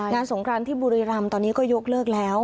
สงครานที่บุรีรำตอนนี้ก็ยกเลิกแล้ว